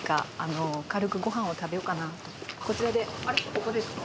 ここですか？